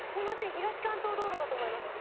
「東関東道路」かと思いました。